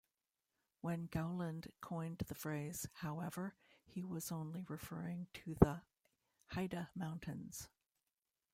When Gowland coined the phrase, however, he was only referring to the Hida Mountains.